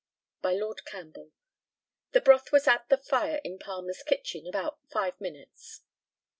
By Lord CAMPBELL. The broth was at the fire in Palmer's kitchen about five minutes.